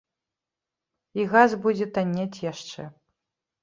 І газ будзе таннець яшчэ.